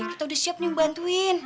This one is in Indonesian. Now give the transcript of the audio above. kita udah siap nih membantuin